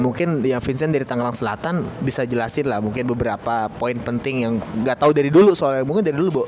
mungkin ya vincent dari tangerang selatan bisa jelasin lah mungkin beberapa poin penting yang nggak tahu dari dulu soalnya mungkin dari dulu bu